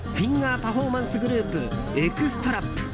パフォーマンスグループＸＴＲＡＰ。